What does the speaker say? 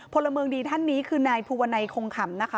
พลเมืองดีท่านนี้คือนายภูวนัยคงขำนะคะ